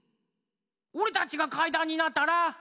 ⁉おれたちがかいだんになったら。